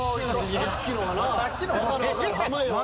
さっきのがな。